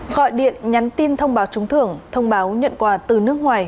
gọi điện nhắn tin thông báo trúng thưởng thông báo nhận quà từ nước ngoài